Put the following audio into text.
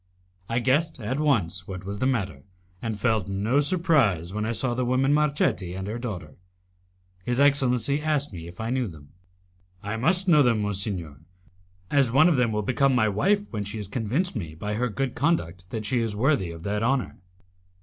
I guessed at once what was the matter, and felt no surprise when I saw the woman Marchetti and her daughter. His excellency asked me if I knew them. "I must know them, monsignor, as one of them will become my wife when she has convinced me by her good conduct that she is worthy of that honour."